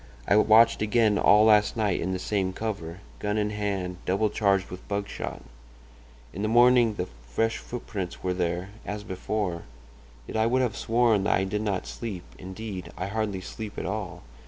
I watched again all last night in the same cover, gun in hand, double charged with buckshot. In the morning the fresh footprints were there, as before. Yet I would have sworn that I did not sleep—indeed, I hardly sleep at all.